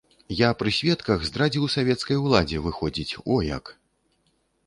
Я пры сведках здрадзіў савецкай уладзе, выходзіць, о як!